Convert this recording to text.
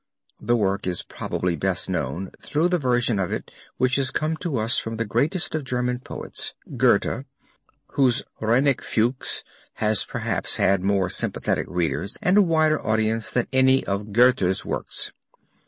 The work is probably best known through the version of it which has come to us from the greatest of German poets, Goethe, whose Reineke Fuchs has perhaps had more sympathetic readers and a wider audience than any other of Goethe's works.